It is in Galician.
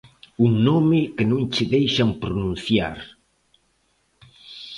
Un nome que non che deixan pronunciar.